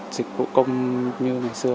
dịch vụ công như ngày xưa